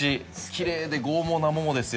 きれいで剛毛なモモですよ。